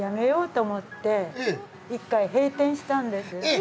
え！